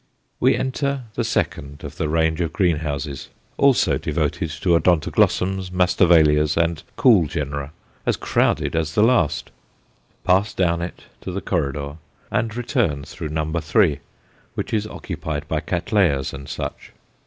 We enter the second of the range of greenhouses, also devoted to Odontoglossums, Masdevallias, and "cool" genera, as crowded as the last; pass down it to the corridor, and return through number three, which is occupied by Cattleyas and such.